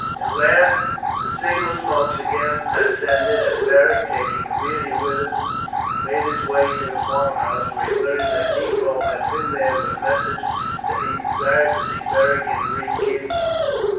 At last the signal smokes again ascended, and Beric, taking Aemilia with him, made his way to the farmhouse, where he learned that Nepo had been there with a message that he desired to see Beric in Rhegium.